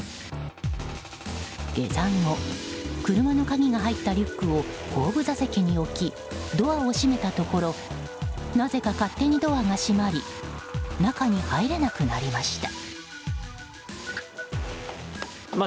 下山後、車の鍵が入ったリュックを後部座席に置きドアを閉めたところなぜか勝手にドアが閉まり中に入れなくなりました。